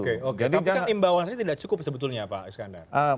tapi kan imbauan saya tidak cukup sebetulnya pak iskandar